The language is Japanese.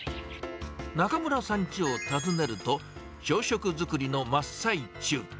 中邑さんちを訪ねると、朝食作りの真っ最中。